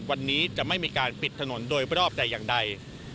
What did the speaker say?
วันนี้จะไม่มีการปิดถนนโดยรอบแต่อย่างใด